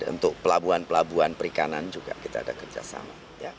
untuk pelabuhan pelabuhan perikanan juga kita ada kerjasama